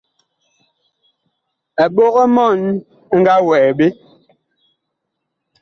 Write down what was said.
Eɓog-mɔɔn ɛ nga wɛɛ ɓe.